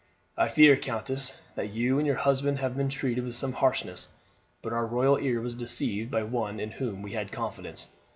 "I fear, countess, that you and your husband have been treated with some harshness; but our royal ear was deceived by one in whom we had confidence.